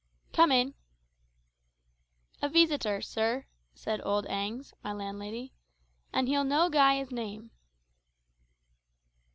"Come in." "A veesiter, sir," said old Agnes (my landlady), "an' he'll no gie his name."